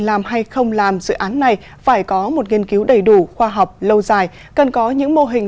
làm hay không làm dự án này phải có một nghiên cứu đầy đủ khoa học lâu dài cần có những mô hình